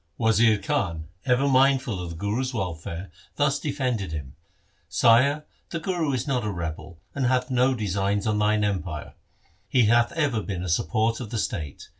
Wazir Khan, ever mindful of the Guru's welfare, thus defended him, ' Sire, the Guru is not a rebel, and hath no design on thine empire. He hath ever been the support of the state.